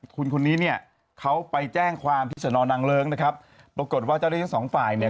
คุณคนนี้เนี่ยเขาไปแจ้งความพิชนอนังเลิงนะครับปรากฏว่าเจ้าเลี้ยง๒ฝ่ายเนี่ย